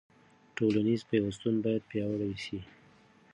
ټولنیز پیوستون باید پیاوړی سي.